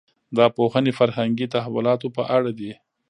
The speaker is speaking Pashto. دا پوهنې فرهنګي تحولاتو په اړه دي.